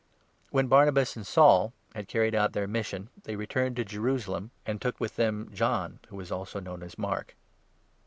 When Barnabas and Saul had carried out their mission, 25 they returned to Jerusalem, and took with them John, who was also known as Mark.